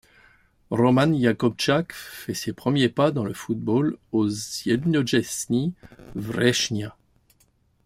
Roman Jakóbczak fait ses premiers pas dans le football au Zjednoczeni Września.